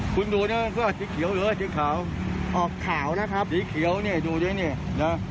คุณดูน่ะก็จิ๊กเขียวหรือจิ๊กขาวอ่อขาวนะครับจิ๊กเขียวนี่ดูด้วยนี่น่ะ